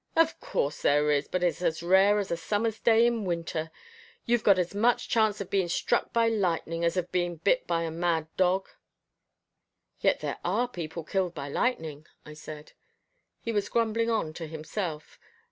"Of course there is, but it's as rare as a summer's day in winter. You've as much chance of being struck by lightning, as of being bit by a mad dog." "Yet there are people killed by lightning," I said. He was grumbling on to himself.